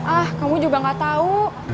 ah kamu juga gak tahu